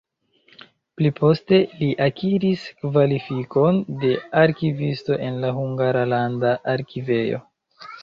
Pli poste li akiris kvalifikon de arkivisto en la Hungara Landa Arkivejo.